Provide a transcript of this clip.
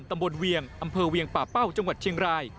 เวียงอำเภอเวียงป่าเป้าจังหวัดเชียงราย